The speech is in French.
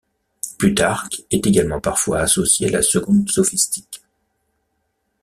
Plutarque est également parfois associé à la Seconde Sophistique.